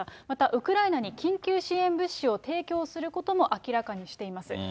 またウクライナに緊急支援物資を提供することも明らかにしています。